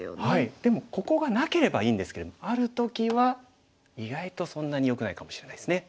でもここがなければいいんですけどもある時は意外とそんなによくないかもしれないですね。